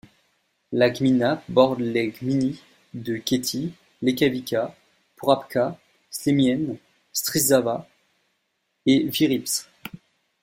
La gmina borde les gminy de Kęty, Łękawica, Porąbka, Ślemień, Stryszawa et Wieprz.